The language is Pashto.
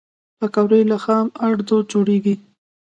پکورې له خام آردو جوړېږي